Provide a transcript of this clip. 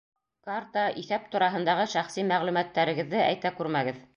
Карта, иҫәп тураһындағы шәхси мәғлүмәттәрегеҙҙе әйтә күрмәгеҙ.